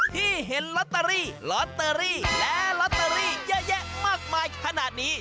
ที่เห็นลอตเตอรี่ลอตเตอรี่และลอตเตอรี่เยอะแยะมากมายขนาดนี้